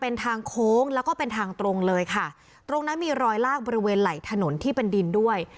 เป็นทางโค้งแล้วก็เป็นทางตรงเลยค่ะตรงนั้นมีรอยลากบริเวณไหล่ถนนที่เป็นดินด้วย